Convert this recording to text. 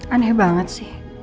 aneh banget sih